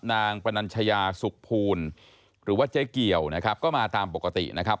ปนัญชยาสุขภูลหรือว่าเจ๊เกี่ยวนะครับก็มาตามปกตินะครับ